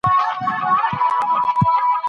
ښار پالنه او ښار میشتي عصبیت له منځه وړي.